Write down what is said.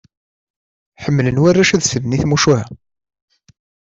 Ḥemmlen warrac ad slen i tmucuha.